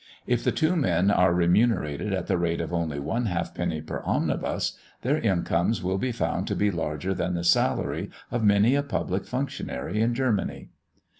If the two men are remunerated at the rate of only one halfpenny per omnibus, their incomes will be found to be larger than the salary of many a public functionary in Germany.